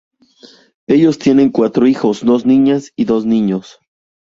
Ellos tienen cuatro hijos, dos niñas y dos niños.